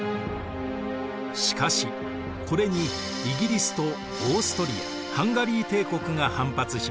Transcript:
しかしこれにイギリスとオーストリア＝ハンガリー帝国が反発します。